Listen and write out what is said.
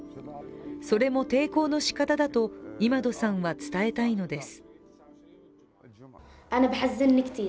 それも抵抗のしかただとイマドさんは伝えたいのです。